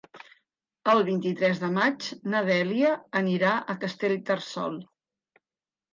El vint-i-tres de maig na Dèlia anirà a Castellterçol.